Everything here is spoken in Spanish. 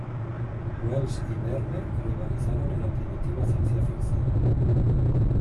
Wells y Verne rivalizaron en la primitiva ciencia ficción.